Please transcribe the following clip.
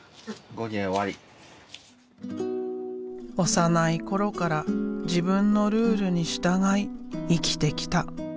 幼い頃から自分のルールに従い生きてきた。